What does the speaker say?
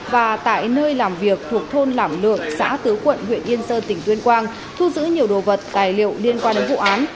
và tại nơi làm việc thuộc thôn lảng lượng xã tứ quận huyện yên sơn tỉnh tuyên quang thu giữ nhiều đồ vật tài liệu liên quan đến vụ án